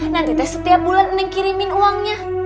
nanti teh setiap bulan neng kirimin uangnya